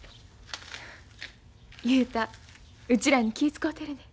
雄太うちらに気ぃ遣うてるねん。